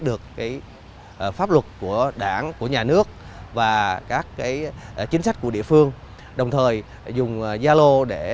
được pháp luật của đảng của nhà nước và các chính sách của địa phương đồng thời dùng gia lô để